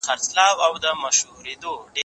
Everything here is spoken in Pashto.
هغه وويل چي اوبه څښل ضروري دي،